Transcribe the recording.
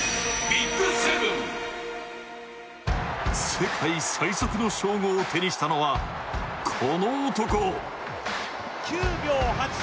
世界最速の称号を手にしたのは、この男。